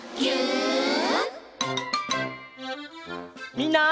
みんな。